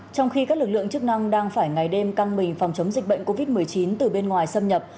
trong khi các lực lượng chức năng đang phải ngày đêm căng mình phòng chống dịch bệnh covid một mươi chín từ bên ngoài xâm nhập